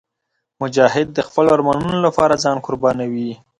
مجاهد د خپلو ارمانونو لپاره ځان قربانوي.